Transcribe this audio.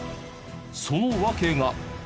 その訳が。